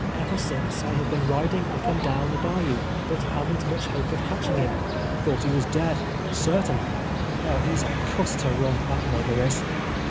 Ever since, I have been riding u]) and down the l)ayou, but had'nt much hope of catching him — thought ho was dead, sarihi. Oh, he's a cuss to run — that nigger is